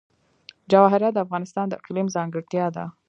جواهرات د افغانستان د اقلیم ځانګړتیا ده.